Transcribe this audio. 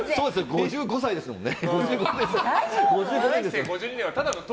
５５歳ですもんね。